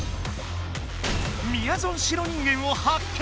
みやぞん白人間を発見！